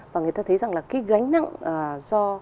và người ta thấy rằng là cái gánh nặng do